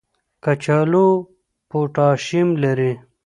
کچالو پوټاشیم لري.